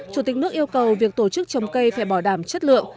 chủ tịch nước yêu cầu việc tổ chức trồng cây phải bảo đảm chất lượng